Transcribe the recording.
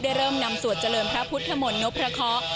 เริ่มนำสวดเจริญพระพุทธมนต์นพพระเคาะ